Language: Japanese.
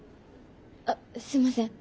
あっすいません。